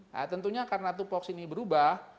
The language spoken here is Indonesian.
nah tentunya karena itu vox ini berubah